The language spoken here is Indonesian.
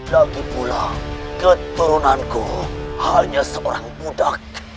lagipula keturunanku hanya seorang budak